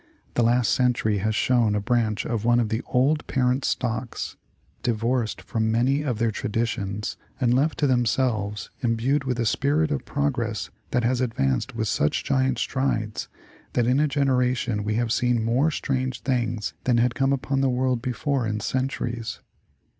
The last century has shown a branch of one of the old parent stocks, divorced from many of their traditions and left to them selves, imbued with a spirit of progress that has advanced with such giant strides, that in a generation we have seen more strange things than had come upon the world before in centuries.